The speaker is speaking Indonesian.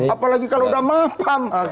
apalagi kalau udah mampam